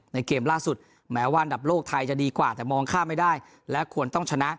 เกมล่าสุดแม้ว่าอันดับโลกไทยจะดีกว่าแต่มองข้ามไม่ได้และควรต้องชนะ